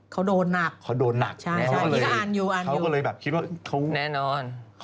เขาโดนหนัก